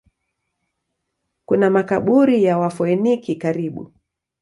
Kuna makaburi ya Wafoeniki karibu.